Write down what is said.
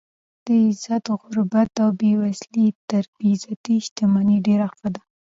د عزت غربت او بې وزلي تر بې عزته شتمنۍ ډېره ښه ده.